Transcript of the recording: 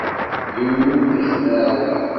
Yiwen ur k-ixeddeε da.